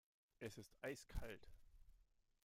Es ist eiskalt.